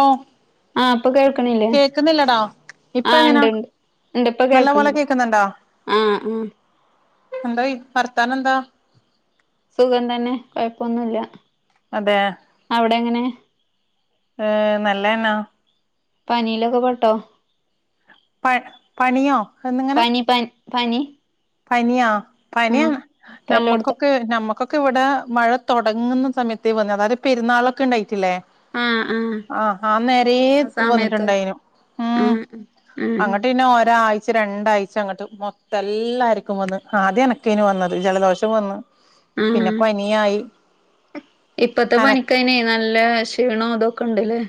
ഓ ആ ഇപ്പൊ കേൾക്കണില്ലേ കേക്കുന്നില്ലടാ ഇപ്പ ആ എങ്ങനാ ഇണ്ട്ണ്ട് ഉണ്ട് ഇപ്പൊ നല്ല പോലെ കേൾക്കണണ്ട് ആ ആ എന്തായി വർത്താനം എന്താ സുഖം തന്നെ കുഴപ്പവൊന്നുവില്ല അതെ അവിടെ എങ്ങനെ ഏ നല്ലത് തന്നേ പനിയിലൊക്കെ പെട്ടോ പ പണിയോ എന്നിങ്ങനെ പനി പ പനി പനിയാ പനിയ ആഹ് ഇപ്പ എല്ലോടത്തും നമ്മുക്കൊക്കെ നമ്മുക്കൊക്കെ ഇവിടെ മഴ തുടങ്ങുന്ന സമയത്ത വന്നത് അതായത് പെരുന്നാളൊക്കെ ഉണ്ടായി ില്ലേ ആഹ് ആഹ് ആഹ ആ നേര ആ സമയത്ത് വന്നിട്ടുണ്ടായിനു ഉ ആഹ് ആഹ് അങ്ങട്ട്ന്നെ ഓരാ ഒരു ആഴ്ച രണ്ടാഴ്ച അങ്ങോട്ട് മൊത്തം എല്ല ആരിക്കും വന്ന് ആദ്യം എനക്ക ഇന് വന്നത് ജലദോഷം വന്ന് ആ പിന്നെ പനിയായി ഇപ്പത്തെ അന പനിക്കനെ നല്ല ക്ഷീണം ഇതൊക്കെ ഉണ്ടല്ലേ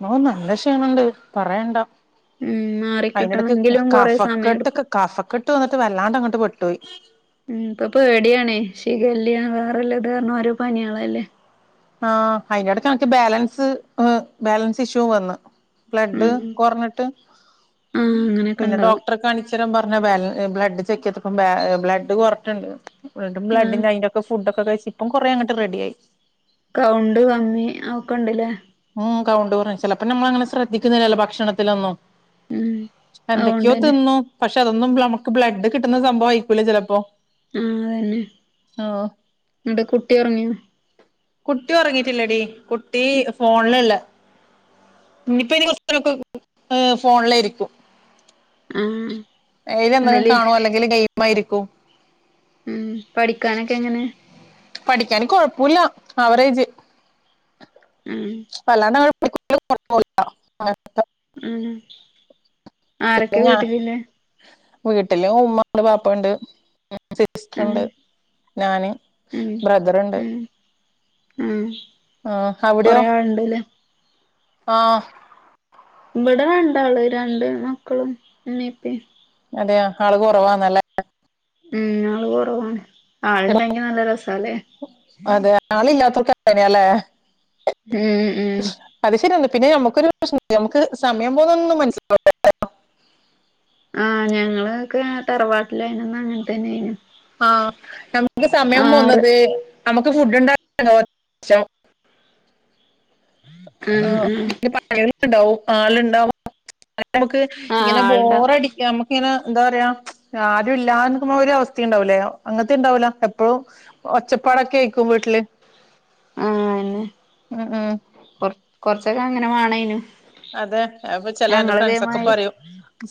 ന നല്ല ക്ഷീണുണ്ട് പറയണ്ടാ ഉം മാറിക്കിട്ടണെങ്കിലും കൊറെ സമയം എടുക്കും ഇ്ന്നിട്ട് വല്ലാണ്ട് അങ്ങോട്ട് പെട്ട പോയി ഉ ഇപ്പൊ പേടിയണേ ശിഖല് വേറെല്ല ഇത് കാരണം ഓരോ പനിയാളല്ലേ ആഹ അയിന്റെടക്ക് ബാലൻസ് ബാലൻസ് ഇഷ്യൂ വന്ന് ബ്ലഡ് ഉം കുറഞ്ഞിട്ട് ആഹ് അങ്ങനെയൊക്കെ പിന്നെ ഇണ്ടാവും ഡോക്ടറെ കാണിച്ചരാൻ പറഞ്ഞ ബ്ഡ് ചെക്ക് ചെയത്തിപ്പ ബ്ലഡ് കുറഞ്ഞിട്ടുണ്ട് ബ്ലഡ് ആഹ് അതിൻ്റെ ഒകെ ഫുഡൊക്കെ കഴിച്ച ഇപ്പം കൊറേ അങ്ങോട്ട് റെഡി ആയി കൗണ്ട് കമ്മി ഒക്കെ ഉണ്ടല്ലേ ഉ കൗണ്ട് കുറഞ്ഞ് ചിലപ്പോ നമ്മൾ അങ്ങനെ ശ്രദ്ധിക്കുന്നില്ലല്ലോ ഭക്ഷണത്തിലൊന്നും ഉം എന്തൊക്കെയോ അതുകൊണ്ടന്നെ തിന്നു പക്ഷ പക്ഷ അതൊന്നും നമുക്ക് ബ്ലഡ് കിട്ടുന്ന സംഭവംമായിക്കൂല്ല ചിലപ്പോ ആ അതന്നെ ആഹ് നിടെ കുട്ടി ഉറങ്ങിയ ഉറങ്ങയിട്ടില്ലേടി കുട്ടി ഫോണിലല്ല ഇനിയിപ്പോ ഇനി കുറച്ച് നേര ഒകെ ഫോണിആയിരിക്കും ആഹ് ഇത് അതിലും ഇന്നലെ കാണോ അല്ലെങ്കിൽ ഡെയിലി ചുമ്മ ഇരിക്കും ഉം പഠിക്കാനൊക്കെ എങ്ങനെ പഠിക്കാന് കൊഴപ്പമില്ല അവറേജ് ഉം [inaudible] [inaudible] ഉഹ പിന്നെ ആരൊക്കെ ഞാൻ വീട്ടിലില്ല വീട്ടില് ഉമ്മ ഉണ്ട് പാപ്പ ഉണ്ട് ഉം സിസ്റ്റർണ്ട് ഞാന് ഉം ബ്രദറുണ്ട് ഉം ഉം ആ അവിട്യോ കൊറേ ആളുണ്ടല്ലേ ആ ഇവിടെ രണ്ടാള് രണ്ട് മക്കളും ഇമമീം ഇപ്പീമ്മ് അതെയോ ആള് കൊറവാണ്ല്ലേ ഉം ആള് കൊറവാണ് ആളുണ്ടെങ്കി നല്ല രസാല്ലേ ആള് ഇല്ലാത്തൊല്ക്ക് അങ്ങനെല്ലേ ഉം ഉം പിന്നെ നമുക്കൊരു പ്രശ്നണ്ട് നമക്ക് സമയം പോന്നോന്നും മനസ്സിലാവൂലാട്ടോ ആഹ് ഞങ്ങളോക്കെ തറവാട്ട ആ നമ്മക്ക് സമയം ആറ് പോന്നത് നമ്മക്ക് ഫുഡ് ഉണ്ടാ [unintelligible] ഉം ആ ഉം എന്തെങ്കിലും പറയാനുണ്ടാവും ആള്ണ്ടാവുമ്പം അത് നമക്ക് ആഹ് ഇങ്ങനെ ആൾണ്ടാവും ബോറടിക്ക നമുക്കിങ്ങനെ എന്താ പറയാ ആരും ഇല്ലാന്ന്ക്ക്മ്പോ ഒരു അവസ്ഥ ഉണ്ടാവൂലേ അങ്ങനത്തെ ഇണ്ടാവൂല എപ്പഴും ഒച്ചപ്പാടൊക്കെയിക്കും വീട്ടില് ആ അയേന്നേ ഉം ഉം കൊറ് കൊറച്ചൊക്കെ അങ്ങനെ വാണേനും അതെ അപ്പ ചെല എന്റെ ഫ്രണ്ട്സൊക്കെ ഞങ്ങളിതേമാരി പറയും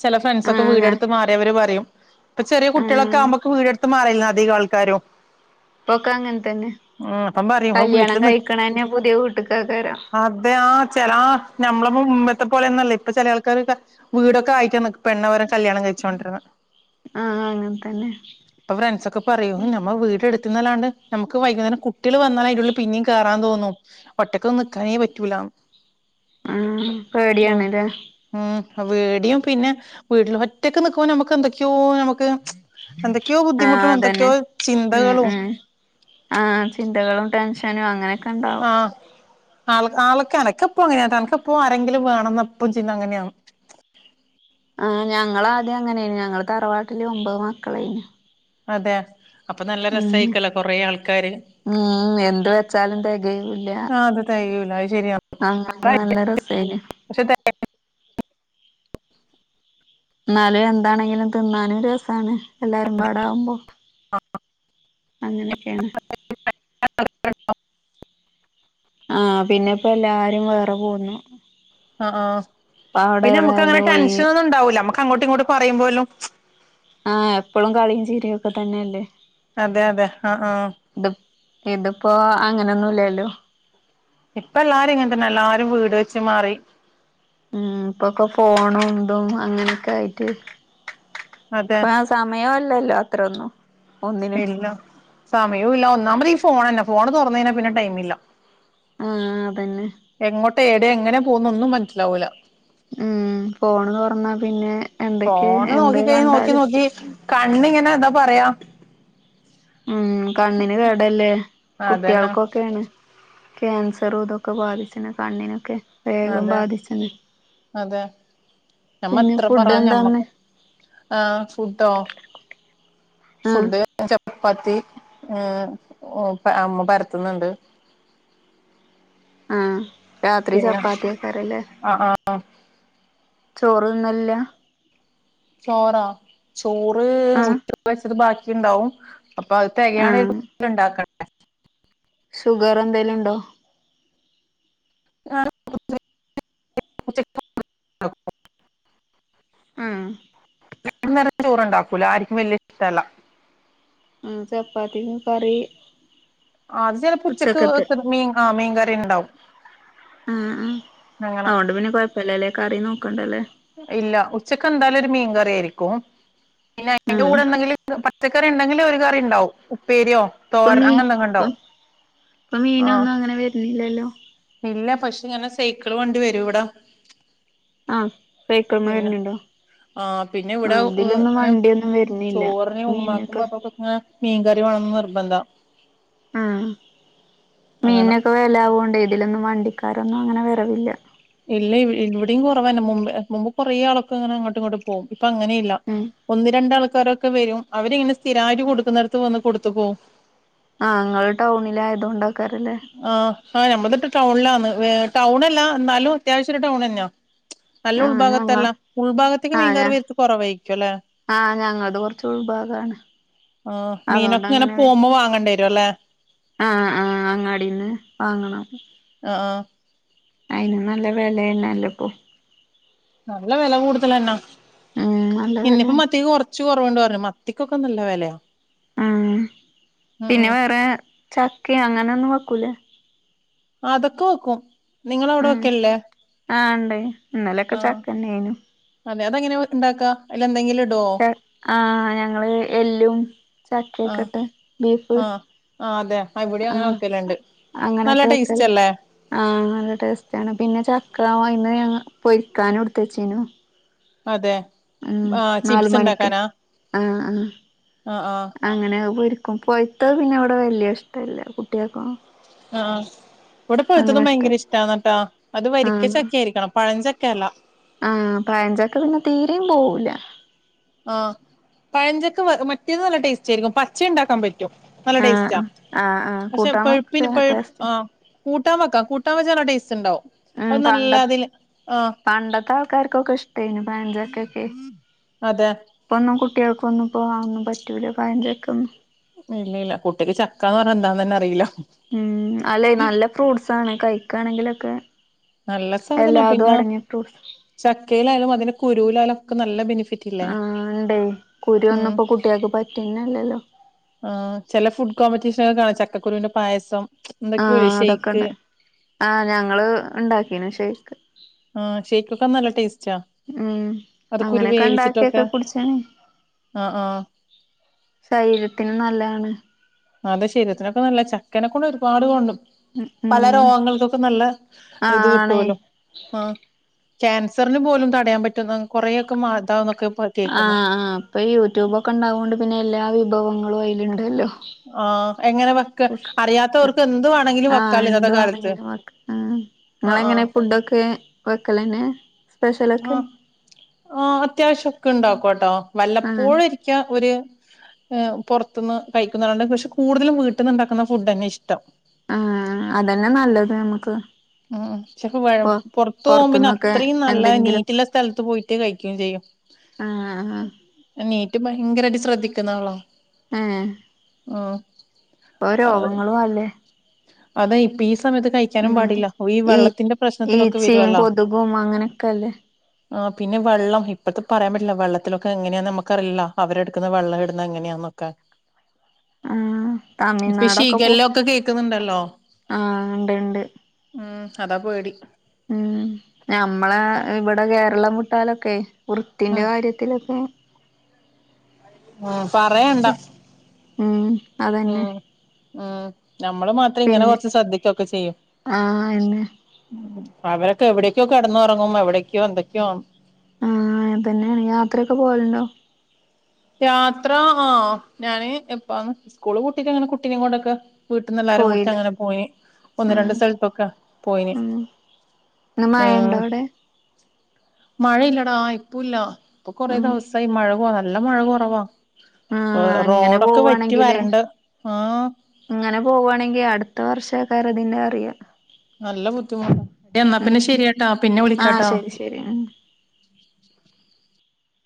ചെല ഫ്രണ്ട്സൊക്കെ ആഹ് ഞാ വീടെട്ത്ത് മാറിയവര് പറയും ഇപ്പ ചെറിയ കുട്ട്യാള്ക്കെ ആഹ് ആകുമ്പക്ക് വീട് എട്ത്ത് മാറില്ല അധിക ആൾക്കാരും ഇപ്പൊക്കെ അങ്ങൻ തന്നെ ഉം അപ്പം പറയും ആ കല്യാണം വീട്ടിൽ നിക്ക് കഴിക്കണന്നെ പുതിയ വീട്ട്ക്കാക്കാരം അതെ ആ ചെല ആ ഞമ്മള് മുമ്പത്തെ പോലെന്നല്ലേ ഇപ്പ ചെല ആൾക്കാരൊക്കെ വീടൊക്കെ ആയിട്ടാണ് പെണ്ണ്വരേ കല്യാണം കഴിച്ച് കൊണ്ടേര്ന്നെ ആഹ് അങ്ങൻ തന്നെ ഇപ്പ ഫ്രണ്ട്സോക്കെ പറയൂ ഞമ്മ വീടെട് ത്ത്ന്നല്ലാണ്ട് നമുക്ക് വൈകുന്നേരം കുട്ട്യാള് വന്നാല് പിന്നേം കേറാൻ തോന്നും ഒറ്റക്കൊന്നും നിക്കാനേ പറ്റൂലാന്ന് ആ പേടിയാണ്ല്ലേ പേടിയും പിന്നെ വീട്ട്ല് ഒറ്റക്ക് നിക്കുമ്പോ നമക്ക് എന്തൊക്കെയോ നമ ആഹ് അതന്നെ ഉം ചിന്തകളും ഉം ആഹ് ചിന്തകളും ടെൻഷനും അങ്ങനെ ആ ക്കെണ്ടാവും ആൾ ആളൊക്കെ അനക്ക്പ്പങ്ങനെട്ടോ അനക്ക്പ്പോ ആരെങ്കിലും വേണംന്നപ്പം ചിന്ത അങ്ങനെയാണ് ആ ഞങ്ങളാദ്യം അങ്ങനെയേനി ഞങ്ങള് തറവാട്ടില് ഒമ്പത് മക്കളൈനി അതെ അപ്പൊ നല്ല ഉം രസായിക്കല്ലോ കൊറേ ആൾക്കാര് ഉം എന്ത് വെച്ചാലും തെക‌യ്യുല്ല ആഹ് അത് തെകയൂല അത് ശരിയാണ് അങ്ങനെക്കെ നല്ല രസേനു പക്ഷെ തെ ന്നാല് എന്താണെങ്കിലും തിന്നാനും രസാണ്. എല്ലാരും പാടാവുമ്പോ അങ്ങനെ ഒക്കെ ആണ് [unintelligible] ആ പിന്നെ ഇപ്പൊ എല്ലാരും വേറെ പോണു ആ ആ പിന്നെ നമുക്ക് അങ്ങനെ ഈ ടെൻഷൻ ഒന്നും ഉണ്ടാവൂല, നമ്മൾക്ക് അങ്ങോട്ടും ഇങ്ങോട്ടും പറയുവാലോ ആ എപ്പോഴും കളിയും ചിരിക്കും അതൊക്ക തന്നെ അല്ലേ അതെ അതെ ആഹ് ആഹ് ഇതുഇപ്പൊ അങ്ങനെ ഒന്നും ഇല്ലല്ലോ ഇപ്പോൾ എല്ലാവരും ഇങ്ങനെ തന്നെ ആ എല്ലാവരും വീട് വച്ച് മാറി മ് ഇപ്പൊ ഒക്കെ ഫോണും ഇതും അങ്ങനെ ഒക്കെ ആയിട്ട് അതെ ഇപ്പൊ ആ സമയം അല്ലല്ലോ തീർന്നു ഇല്ല, സമയവും ഇല്ല ഒന്നാമത് ഈ ഫോണ് തന്നെ സ്കൂൾ തുറന്നു കഴിഞ്ഞാൽ പിന്നെ ടൈം ഇല്ല ആ തന്നെ ടെ എങ്ങനെ പോകും ഒന്നും മനസ്സിൽ ആകുന്നില്ല മ് പോണോന്ന് പറഞ്ഞാൽ പിന്നെ എന്തൊക്കെ ഫോണ് എന്ത് നോക്കി കഴിഞ്ഞാൽ നോക്കി കണ്ടാലും നോക്കി കണ്ണ് ഇന്ന് ഇങ്ങനെ എന്താ പറയുവാ മ്മ് കണ്ണിനു കേടല്ലേ അതന്നെ കുട്ടികൾക്കുയൊക്ക എങ്ങനെ ആ ക്യാൻസറും ഒക്കെ ബാധിക്കുന്നത് കണ്ണിനോക്ക അതാ അതാ നമ്മൾ പിന്നെ എത്ര ഫുഡ് പറഞ്ഞാ എന്താന്ന് ആ ഫുഡ്‌ ഓ ആഹ് ഫുഡ്‌ ചപ്പാത്തി ചപ്പാത്തി അമ്മ പരത്തുന്നുണ്ട് ആ രാത്രി പിന്നെ ചപ്പാത്തി ആക്കാറ് അല്ലേ ആഹ് ആഹ് ചോറു തിന്നാലോ ചോറോ ചോറ് ആഹ് ഉച്ചക്ക് വച്ചത് ബാക്കി ഒക്ക ഉണ്ടാവും അപ്പൊ അത് തികയാതെ ആഹ് വരുമ്പോൾ ഉണ്ടാക്കുന്നത് അ ഷുഗർ എന്തേലും ഉണ്ടോ ആ ആഹ് ഇന്നലത്തെ ചോറു ഉണ്ടോ പുലാവ് ആർക്കും വല്യ ഇഷ്ടല്ല ഉ ചപ്പാത്തി കറി അത് ചിലപ്പോ ഉച്ചക്ക് ഉച്ചക്കത്തെ വെക്ക്ണ മീ ആ മീൻകറിണ്ടാവും ആഹ് ആഹ് അങ്ങനെ അതോണ്ട് പിന്നെ കൊഴപ്പല്ലല്ലേ കറി നോക്കണ്ടല്ലേ ഇല്ല ഉച്ചക്ക് എന്തായാലും ഒരു മീൻകറി ആയിരിക്കും പിന്നെ അയ്ന്റെ ആഹ് കൂടെന്തെങ്കിലും പച്ച [unintelligible] ഉണ്ടെങ്കിൽ ഒരു കറി ഉണ്ടാവും ഉപ്പേരിയോ ഇപ്പൊ തോരൻ മീൻ അങ്ങനെ എന്തെങ്കിലും ഇപ്പ ഉണ്ടാവും ഇപ്പൊ ആഹ് മീനൊന്നും അങ്ങനെ വരുന്നില്ലല്ലോ [unintelligible] ഇല്ല പക്ഷെ ഇങ്ങനെ സൈക്കിള് വണ്ടി വരും ഇവിട ആഹ് സൈക്കിൾമ്മെ പിന്നെ വരുന്നുണ്ടോ ആ പിന്നെ ഇവിടെ ആഹ് ഇതിലൊന്നും ന്ന വണ്ടിയൊന്നും വരുന്നില്ല ചോറിനെ ഉമാക്കുമ് മീനൊക്കെ ബാപ്പക്ക ഇങ്ങ മീൻകറി വേണംന്ന് നിർബന്ധ ആ അങ്ങനെ മീനൊക്കെ വില ആവൂണ്ട് ഇതിലൊന്ന വണ്ടിക്കാരൊന്നും അങ്ങനെ വറവില്ല ഇല്ല ഇവിടയും കുറവന്നെ മുമ്പ് മുമ്പ് കുറേ ആളൊക്കെ അങ്ങനെ അങ്ങോട്ട് ഇങ്ങോട്ട് പോകും അപ്പൊ അങ്ങനെല്ല ഉം ഒന്ന് രണ്ടാ ആൾക് ക്കാരൊക്കെ വരും അവരിങ്ങനെ സ്ഥിരയിട്ട് കൊടുക്കുന്നിടത്ത് വന്ന് കൊടുതൂ പോവും ആഹ് ങ്ങൾ ടൗണില ആയതുകൊണ്ട ആഹ് ആ നമ്മ ടൗണിലന്ന് ടൗണല്ല എന്നാലും അത്യാവശ്യ ഒരു ടൗൺ തന്നെയാ നല്ല ആഹ് ഞങ്ങ ഉൾഭാഗത്തല്ല ഉൾഭാഗത്തേക്ക് ആഹ് മീൻകർ ഞ വത് കുറവായിരിക്കും അല്ലെ ആഹ് ഞങ്ങൾത് കൊറച്ച് ഉൾഭാഗാണ് ആഹ് അതോണ്ട് മീനൊക്കെ ഇങ്ങനെ അങ്ങനെ വെ പോകുമ്പോ വാങ്ങേണ്ടി വരു അല്ലേ ആഹ് [unintelligible] വാങ്ങണം ആഹ് അയ്ന് നല്ല വെലേണാലപ്പൊ നല്ല വെല കൂടുതലന്നാ ഉം നല്ല ഇന്നിപ്പോ വെലേണ് മത്തിക്ക് കൊർച്ച് ച്ചു കൊറവ്ണ്ടർഞ്ഞു മത്തിക്കൊക്കെ നല്ല വെലയ ആഹ് പിന്നെ വേറെ ചക്കിം അങ്ങനെന്നും വെക്കൂലേ? അതൊക്കെ വെക്കും നിങ്ങളവിടെ ഉം വെക്കലില്ലേ ആഹ് ണ്ടേ ഇന്നലൊക്കെ ആഹ് ചക്കന്നെനു അതെ അതെങ്ങനെ വെ ഇണ്ടാക്കാ. അയിലെന്തെങ്കിലും ഇടോ ആഹ് ഞങ്ങള് എല്ലും ആഹ് ചക്കൊക്കെട്ട് ബീഫ്. ആഹ് ആഹ് അതെ ഇവിടെയും അങ്ങനെ ആഹ് വെക്കലുണ്ട് നല്ല അങ്ങനെട്ട് ടേസ്റ്റ് വെക്കല് അല്ലേ ആഹ് നല്ല ടേസ്റ്റാണ് പിന്നെ ചക് ക്കാവൈന്ന് ഞങ്ങ പൊയിക്കാനു ഇട്ത്തചീനു അതെ ഉംഹ് ആഹ് ചിപ്സ് നാല്മണിക്ക് ഇണ്ടാക്കാനാ ആഹ് ആഹ് ആഹ് ആഹ് അങ്ങനെ അഹ് പൊ ക്കും പോയ്ത്തത് പിന്നെവടെ വല്യയ ഇഷ്ടല്ല കുട്ട്യേക്കും ആഹ ഇവിടെ പോയത്തതും ഭയങ്കര ഇഷ്ടല്ല ഇഷ്ടമാന്നട്ടാ അത് വരിക്ക ചക്ക ആയിരിക്കണം പഴഞ്ചക്ക കേല ആഹ പയഞ്ചക്കെ പിന്നെ തീരയും പോവൂല ആഹ പഴഞ്ചൊക്കെ മറ്റേന്ന് നല്ല ടേസ്റ്റ് ആയിരിക്കും പച്ച ഉണ്ടാക്കാൻ പറ്റും നല്ല ആഹ് ടേസ്റ്റാ ആഹ് ആഹ് ആഹ് പക്ഷെ കൂട്ടാൻ വെച്ചാ പഴുപ്പിന് പു നല്ല ടേസ്റ്റാ ആ കൂട്ടമ വക്ക കൂാ വച്ച ച ടസ്റ്റ് ഉണ്ടാവും ഉം അത് പണ്ട നല്ല അതില് ആ പണ്ടത്തെ ആൾക്കാർക്കൊക്കെ ഇഷ്ടായിന് പഞ്ചക്കൊക്കെ അതെ കുട്ടികൾക്കൊന്നും പോക ഒന്നും പറ്റൂല ഭയചൊക്കും ഇല്ലല്ല കുട്ടിക്ക് ചക്ക എന്ന് പറഞ്ഞ എന്താന്ന് തന്നെ അറിയില്ല ഉം അല്ലെ നല്ല ഫ്രൂട്ട്സ് ആണ് കഴ ക്കുകയാണെങ്കിലൊക്കെ നല്ല സാധനാ പിന്നെ ചക്കയിലാലും അതിന്റെ കുരുവിലാലും നല്ല ബെഫ ആഹ ഉണ്ടേ കുരു ഒന്നപ്പോ കുട്ടിയക്ക് പറ്റുന്നല്ലല്ലോ ൾ ചക്കുരുവിൻന്റെ പായസം ആഹ എന്തൊക്കെയോല്ലേ ഷെയ്ക്ക് അതൊക്കെണ്ട് ആഹ ഞങ്ങള് ഉണ്ടാക്കി പിന്ന ശേക്ക് ആ ഷെയ്ക്കൊക്കെ നല്ല ടേസ്റ്റാ ഉം അത് കുരു അങ്ങനെയൊക്കെ ഉണ്ടാക്കിയൊക്കെ വേവിച്ചിട്ടൊക്കെ കുടിച്ചേന ആ ആ ശരീരത്തിന് നല്ലതാണ് ആ അതെ ശരീരത്തിനൊക്കെ നല്ല ചക്കനെ കൊണ്ട് ഒരുപാട് കൊണ്ടും ഉം പല രോഗങ്ങൾക്കൊക്കെ നല്ല ആ ഇത് ആണേ കിട്ടലോ ആഹ ക്യാൻസറിന് പോലും തടയാൻ പറ്റും കൊറെേൊക്കെ മാതാവ ആഹ് ആ് ഇപ്പൊ യൂട്യൂബൊക്കെ ഉണ്ടാവോണ്ട് പിന്നെ എല്ലാ വിഭവങ്ങളും നമ്മ അൈലുണ്ടല്ലോ ആഹ എങ്ങനെ വെക്ക ആ അറിയാത്തവർക്ക് എന്ത് വേണമെങ്കിലും ആഹ് വെക്കാല ഇന്നത്തെ കാലത്ത് എന്തുവാണെങ്കിലും വെക്ക ആ ആഹ വക്കലന്ന ആ ആ അത്യാവശ്യംൊക്കെ ഉണ്ടോ ക്കോട്ടോ ആഹ് വല്ലപ്പോഴ ഇരിക്കാ ഒരു പുറത്തുന്ന് കഴിക്കുന്നണ്ട് പക്ഷെ കൂടുതലും വീട്ടിൽന്ന്ുണ്ടാക്കുന്ന ഫുഡ് തന്നെ ഇഷ്ടം ആ അതന്നെ നല്ലത് നമക്ക് ഉ പുറത്തു പോകുമ പിന്നെ പൊറത്തുന്നൊക്കെ അത്രയും നല്ല എന്തെങ്കിലും നീറ്റുള്ള സ്ഥലത്ത് പോയിട്ട് കഴിക്കയും ചെയ്യും ആഹ് ന ഭയങ്കരമായിട്ട് ശ്രദ്ധിക്കുന്ന ആളോ ആഹ ആ ഇപ്പ രോഗങ്ങളും അല്ലേ അതാ ഇപ്പ സമയത്ത് കഴിക്കാനും ഉം പാടില്ല ഈ വെള്ളത്തിന്റെ പ്രശ്നത്തിലൊക്കെ ഈച്ചയും വരുവല്ലോ കൊതുകും അങ്ങനെയൊക്കെല്ലേ ആ പിന്നെ വെള്ളം ഇപ്പഴത്തെ പറയാൻ പറ്റില്ല വെള്ളത്തിലൊക്കെ എങ്ങനെയാന്ന് നമുക്കറിയില്ല അവരെടുക്കുന്ന വെള്ളം ഇടുന്ന എങ്ങനെയാന്നൊക്കെ ആ ഇപ്പ തമിഴ്നാടൊക്കെ പോ ശീഖല്ല ഒക്കെ കേക്കുന്നുണ്ടല്ലോ ആ ഉണ്ട് ഉണ്ട് ഉം അതാ പേടി ഉം ഞമ്മളെ ഇവിടെ കേരളം വിട്ടാലൊക്കെ വൃത്തിന്റെറെ ഉം കാര്യത്തിലൊക്കെ ആ പറയണ്ടാ ഉം ഉ അതന്നെ ഉ നമ്മള് മാത്രം ഇങ്ങനെ പിന്നെ കുറച്ച് ശ്രദ്ധിക്കൊക്കെ ചെയ്യും ആഹ് എന്നെ അവരൊക്കെ എവിടയേക്കോ കിടന്ന്ുറങ്ങും എവിടേക്കോ എന്തൊക്കെയണ് ആ പിന്നെ യാത്രയൊക്കെ പോവലുണ്ടോ ത്ര ആ ഞാന് എപ്പ സ്കൂള് കൂട്ടിട്ട അങ്ങനെ കുട്ടീിന കൊണ്ടൊക്ക വീട്ടന്ന് എല്ലാരും കുടിച്ച് പോയില്ലേ അങ്ങനെ പോയി ഒന്ന് ഉം രണ്ട് സ്ഥലത്തൊക്കെ പോയിന് ഉം ഇന്ന് ഏ മഴണ്ടോ അവിടെ മഴയില്ലടാ ഇപ്പ ഇല്ല ഇപ്പൊ കുറ ഉം ദിവസമായിഈ മഴക നല്ല മഴ കുറവാ ആ ഇങ്ങനെ പോവവാണെങ്കില് വരണ്ട് ആഹ് ഇങ്ങനെ പോകവാണെങ്കിൽ അടു പത്ത് വർഷക്കാർ അതി അറിയാം നല്ല ബുദ്ധിമുട്ട് എന്നാ പിന്നെ ശെരിയാട്ടാ പിന്നെ ആഹ് വിളിക്കാട്ടാ ശരി ശരി ഉം